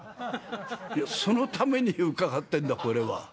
「いやそのために伺ってんだこれは。